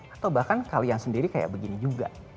atau bahkan kalian sendiri kayak begini juga